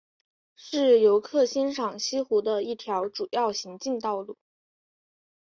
是游客欣赏西湖的一条主要行进道路。